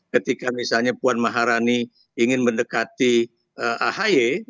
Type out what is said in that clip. ketika misalnya puan maharani ingin mendekati ahy